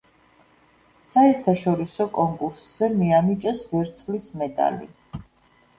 საერთაშორისო კონკურსზე მიანიჭეს ვერცხლის მედალი.